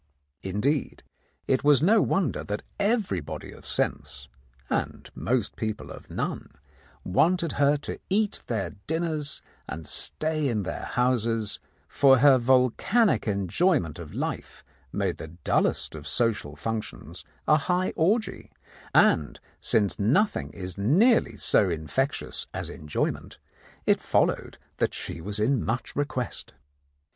Indeed, 3 The Countess of Lowndes Square it was no wonder that everybody of sense (and most people of none) wanted her to eat their dinners and stay in their houses, for her volcanic enjoyment of life made the dullest of social functions a high orgy, and since nothing is nearly so infectious as enjoy ment, it followed that she was much in request.